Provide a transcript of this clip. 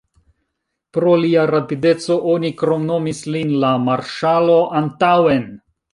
Pro lia rapideco oni kromnomis lin "La marŝalo antaŭen".